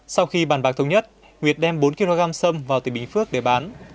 sau khi bàn bạc thống nhất nguyệt đem bốn kg sâm vào tỉnh bình phước để bán